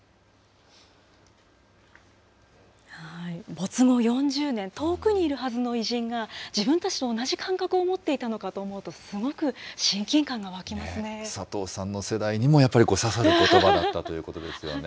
没後４０年、遠くにいるはずの偉人が、自分たちと同じ感覚を持っていたのかと思うと、佐藤さんの世代にもやっぱり刺さることばだったということですよね。